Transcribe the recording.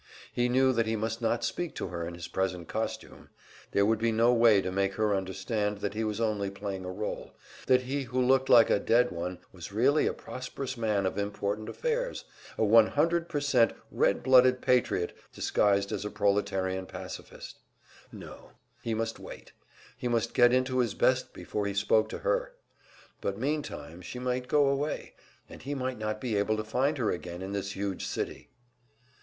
He knew that he must not speak to her in his present costume; there would be no way to make her understand that he was only playing a role that he who looked like a "dead one" was really a prosperous man of important affairs, a 100% red blooded patriot disguised as a proletarian pacifist. No, he must wait, he must get into his best before he spoke to her. But meantime, she might go away, and he might not be able to find her again in this huge city!